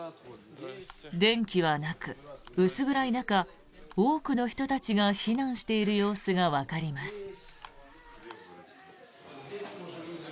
電気はなく、薄暗い中多くの人たちが避難している様子がわかります。